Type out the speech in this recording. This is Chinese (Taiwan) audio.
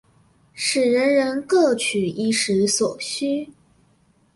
使人人各取衣食所需